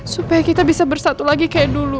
supaya kita bisa bersatu lagi kayak dulu